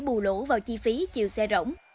bù lỗ vào chi phí chiều xe rỗng